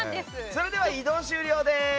それでは移動終了です。